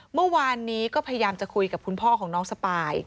เมื่อวานนี้ก็พยายามจะคุยกับคุณพ่อของน้องสปาย